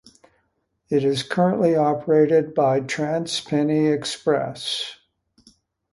It is currently operated by TransPennine Express.